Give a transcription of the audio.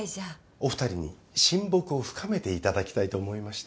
お二人に親睦を深めていただきたいと思いまして。